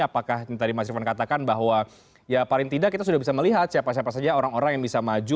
apakah tadi mas rifan katakan bahwa ya paling tidak kita sudah bisa melihat siapa siapa saja orang orang yang bisa maju